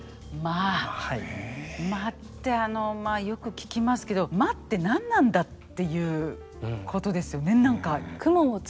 間ってまあよく聞きますけど間って何なんだっていうことですよね何か。